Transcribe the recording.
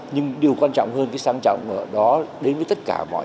nhưng điều quan trọng hơn cái sáng trọng đó đến với tất cả mọi